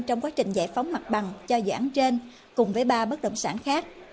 trong quá trình giải phóng mặt bằng cho dự án trên cùng với ba bất động sản khác